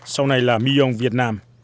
sau này là miong việt nam